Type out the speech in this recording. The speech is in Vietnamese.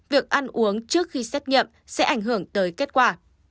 việc ăn uống trước khi xét nghiệm sẽ ảnh hưởng tới kết quả